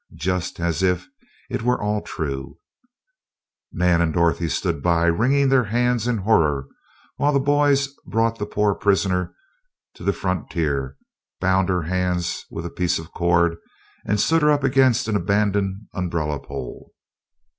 Just as if it were all true, Nan and Dorothy stood by, wringing their hands, in horror, while the boys brought the poor prisoner to the frontier, bound her hands with a piece of cord, and stood her up against an abandoned umbrella pole.